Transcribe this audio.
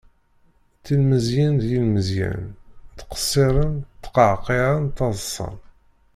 Tilmeẓyin d yilmeẓyen, tqesiren, tkeɛkiɛen taḍṣan.